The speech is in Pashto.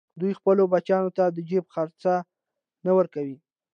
دوی خپلو بچیانو ته د جېب خرڅ نه ورکوي